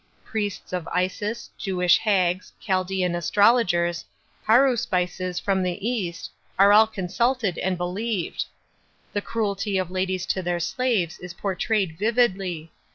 Priests of Isis, Jewish hags, Chaldsenn astrologers, ham spices Irom the east, are all consulted and believed. The cruelty of ladies to their slaves is p >rtrayed vividly.